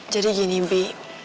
jadi gini bi